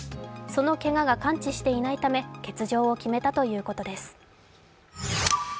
そのけがが完治していないため欠場を決めたということです。